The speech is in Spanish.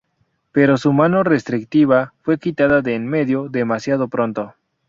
Pero su mano restrictiva fue quitada de en medio demasiado pronto.